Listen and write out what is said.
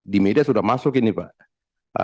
di media sudah masuk ini pak